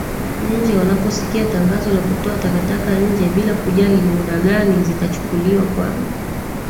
nje wanaposikia tangazo la kutoa takataka nje bila kujali ni muda gani zitachukuliwa kwa